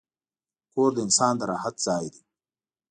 کور د انسان د راحت ځای دی.